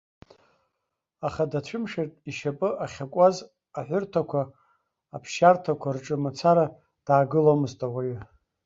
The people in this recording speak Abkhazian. Аха дацәымшәартә ишьапы ахьакуаз аҳәырҭақәа, аԥсшьарҭақәа рҿы мацара даагыломызт ауаҩы.